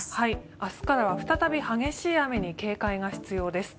明日からは再び激しい雨に警戒が必要です。